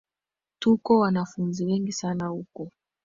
Tuko wanafunzi wengi sana huku